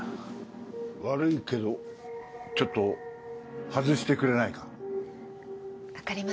悪いけどちょっと外してくれないか？